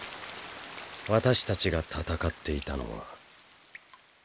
私たちが戦っていたのは。